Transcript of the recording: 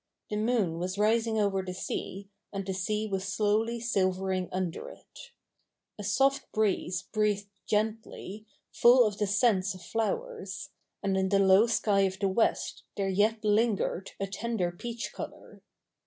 The moon was rising over the sea, and the sea was slowly silvering under it. CH. iv] THE NEW REPUBLIC 51 A soft breeze breathed gently, full of the scents of flowers ; and in the low sky of the west there yet lingered a tender peach colour.